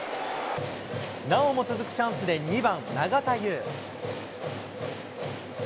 なおも続くチャンスで２番長田悠。